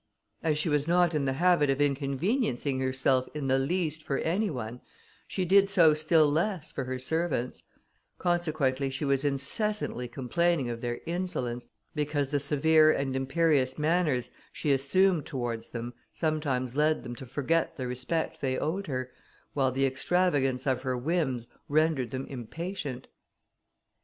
As she was not in the habit of inconveniencing herself in the least for any one, she did so still less for her servants; consequently she was incessantly complaining of their insolence, because the severe and imperious manners she assumed towards them, sometimes led them to forget the respect they owed her, while the extravagance of her whims rendered them impatient.